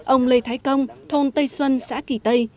ông lê thái công thôn tây xuân xã kỳ tây